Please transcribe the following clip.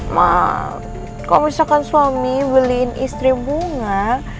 mahal kalau misalkan suami beliin istri bunga